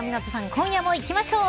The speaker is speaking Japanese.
今夜もいきましょう。